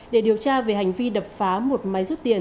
để điều tra về hành vi đập phá một máy rút tiền